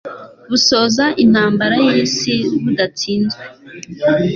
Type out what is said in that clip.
busoza intambara y'Isi budatsinzwe.